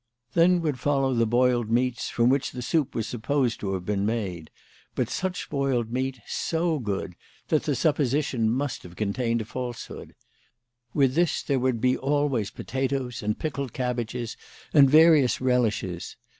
Then would follow the boiled meats, from which the soup was supposed to have been made, but such boiled WHY FRATJ FROHMANN RAISED HER PRICES. 7 meat, so good, that the supposition must have contained a falsehood. With this there would be always potatoes and pickled cabbages and various relishes.